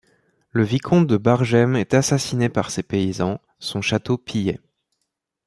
Le vicomte de Bargême est assassiné par ses paysans, son château pillé.